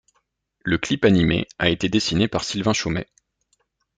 Le clip animé a été dessiné par Sylvain Chomet.